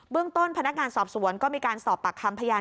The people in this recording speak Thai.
ต้นพนักงานสอบสวนก็มีการสอบปากคำพยาน